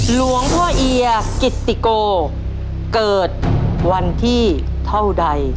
หลวงพ่อเอียกิตติโกเกิดวันที่เท่าใด